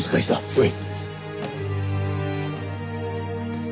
おい。